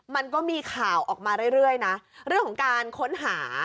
มันก็มีข่าวออกมาเรื่อยนะเรื่องของการค้นหา